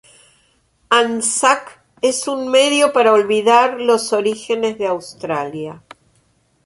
Anzac es un medio para olvidar los orígenes de Australia.